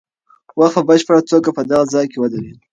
وخت په بشپړه توګه په دغه ځای کې ودرېد.